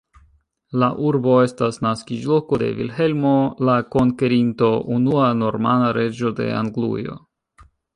La urbo estas naskiĝloko de Vilhelmo la Konkerinto, unua normana reĝo de Anglujo.